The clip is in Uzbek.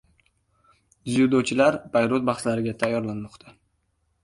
Dzyudochilar Bayrut bahslariga tayyorlanmoqda